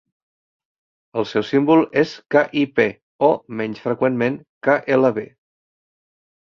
El seu símbol és kip o, menys freqüentment, klb.